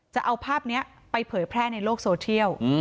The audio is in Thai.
จะเอาภาพนี้ไปเผยแพร่ในโลกโซเทียล